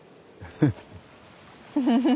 フフフフ。